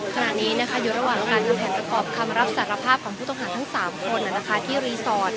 สำหรับพวกรอบคำสารพาพของพูดขันทั้ง๓คนนะคะที่ดีศอร์ท